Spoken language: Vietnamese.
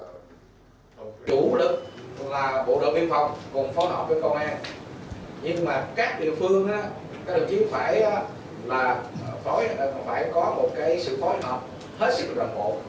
chủ lực là bộ đội biên phòng cùng phối hợp với công an nhưng mà các địa phương các địa chiến phải có một sự phối hợp hết sức đồng bộ